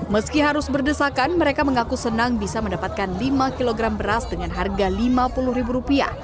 meski harus berdesakan mereka mengaku senang bisa mendapatkan lima kg beras dengan harga rp lima puluh